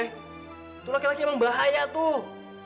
itu laki laki emang bahaya tuh